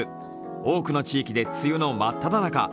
多くの地域で梅雨のまっただ中。